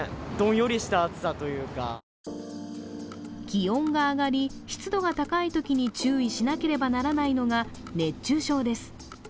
気温が上がり、湿度が高いときに注意しなければならないのが熱中症です。